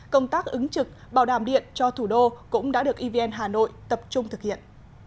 công tác ứng trực bảo đảm điện cho thủ đô cũng đã được evn hà nội tập trung thực hiện